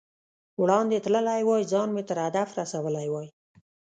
وړاندې تللی وای، ځان مې تر هدف رسولی وای.